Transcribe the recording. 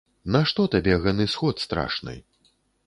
Нашто табе гэны сход страшны?